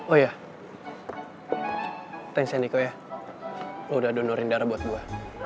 oh iya thanks ya niko ya lo udah donorin darah buat gue